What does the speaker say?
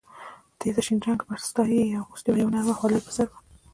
تېزه شین رنګه برساتۍ یې اغوستې وه، یوه نرمه خولۍ یې پر سر وه.